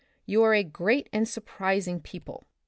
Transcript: You are a great and surprising people.